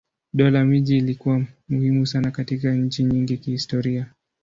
Dola miji ilikuwa muhimu sana katika nchi nyingi kihistoria.